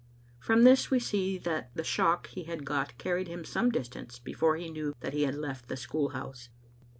From this we see that, the shock he had got carried him some distance before he knew that he had left the school house.